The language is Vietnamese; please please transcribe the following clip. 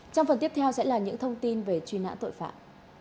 trong phần tiếp theo sẽ là những thông tin về truy nã tội phạm